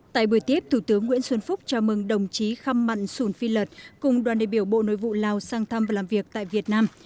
tại buổi tiếp thủ tướng nguyễn xuân phúc chào mừng đồng chí khăm mặn sùn phi lợt cùng đoàn đề biểu bộ nội vụ lào sang thăm và làm việc tại việt nam